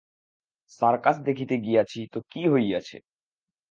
Circus দেখিতে গিয়াছি তো কী হইয়াছে!